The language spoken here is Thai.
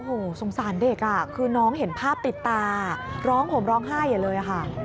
โอ้โหสงสารเด็กอ่ะคือน้องเห็นภาพติดตาร้องห่มร้องไห้อย่าเลยค่ะ